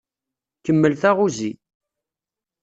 Kemmel taɣuzi.